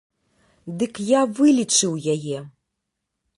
Дык я вылічыў яе!